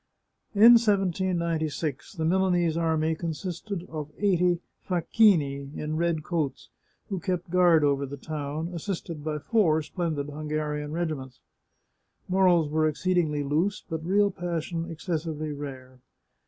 In 1796, the Milanese army consisted of eighty " fac chini " in red coats, who kept guard over the town, assisted by four splendid Hungarian regiments. Morals were ex ceedingly loose, but real passion excessively rare.